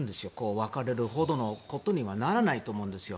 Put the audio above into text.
別れるほどのことにはならないと思うんですよ。